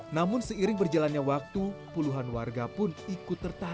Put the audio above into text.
namun seiring berjalannya waktu puluhan warga pun ikut tertarik